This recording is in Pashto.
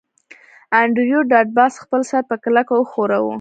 انډریو ډاټ باس خپل سر په کلکه وښوراوه